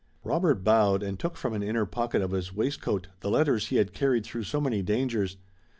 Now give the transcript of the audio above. Robert bowed and took from an inner pocket of his waistcoat the letters he had carried through so many dangers.